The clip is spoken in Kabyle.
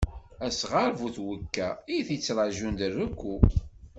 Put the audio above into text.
Asɣar bu twekka, i t-ittṛaǧun d rekku.